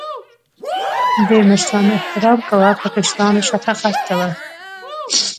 د مشرانو احترام کوه.په کشرانو شفقت کوه